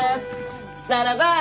サラバーイ！